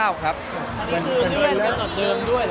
อันนี้คือเลื่อนกำหนดเดิมด้วย